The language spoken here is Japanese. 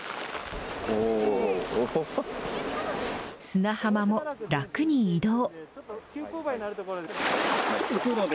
砂浜も楽に移動。